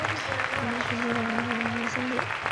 民国时期广东军阀陈济棠三子。